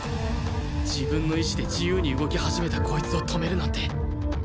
自分の意志で自由に動き始めたこいつを止めるなんて